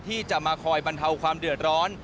ที่จะมาคอยบรรเทาความเดือดร้อน